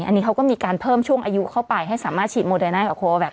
อันนี้เขาก็มีการเพิ่มช่วงอายุเข้าไปให้สามารถฉีดโมไดกับโคแวค